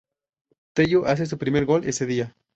Tello hace su primer gol ese día.